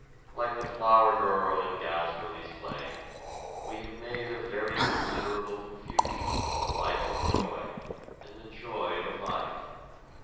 Like the flower girl in Galsworthy's play, we have made a very considerable confusion of the life of joy and the joy of life.